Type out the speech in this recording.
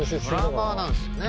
ドラマーなんですよね。